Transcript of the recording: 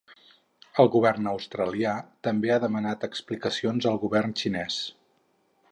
El govern australià també ha demanat explicacions al govern xinès.